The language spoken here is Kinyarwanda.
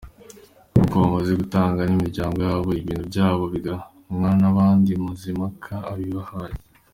Nuko bamaze gutangwa n’imiryango yabo, ibintu byabo bigabanwa n’abandi Mazimpaka abihaye.